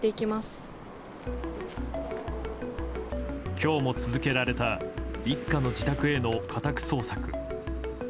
今日も続けられた一家の自宅への家宅捜索。